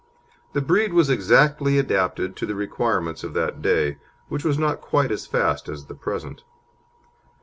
The breed was exactly adapted to the requirements of that day, which was not quite as fast as the present.